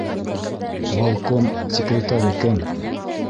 Волком секретары кем?